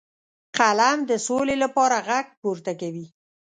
قلم د سولې لپاره غږ پورته کوي